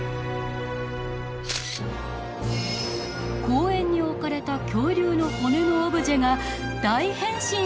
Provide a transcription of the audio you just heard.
公園に置かれた恐竜の骨のオブジェが大変身します。